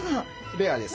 レアです。